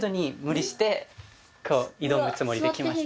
つもりで来ました。